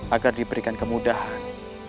agar diberikan kemudahan